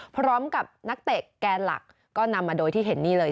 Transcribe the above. พร้อมกับนักเตะแกนหลักก็นำมาโดยที่เห็นนี่เลย